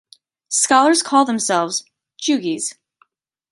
Scholars call themselves "Jeugies".